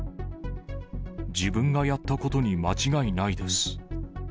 自分がやったことに間違いないです。